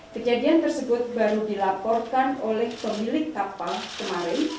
kejadian tersebut baru dilaporkan oleh pemilik kapal kemarin